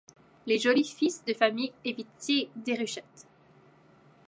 Les jolis fils de famille évitaient Déruchette.